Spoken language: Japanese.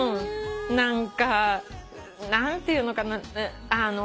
何か何ていうのかな。